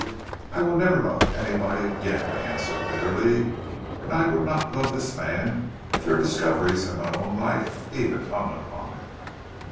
"'I will never love anybody again,' I answered bitterly. 'And I would not love this man if your discoveries and my own life even hung upon it.'